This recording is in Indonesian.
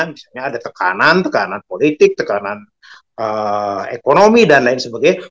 misalnya ada tekanan tekanan politik tekanan ekonomi dan lain sebagainya